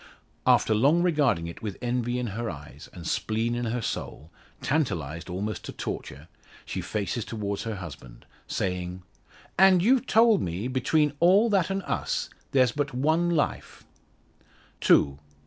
After long regarding it with envy in her eyes, and spleen in her soul tantalised, almost to torture she faces towards her husband, saying "And you've told me, between all that and us, there's but one life " "Two!"